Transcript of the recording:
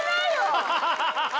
ハハハハ。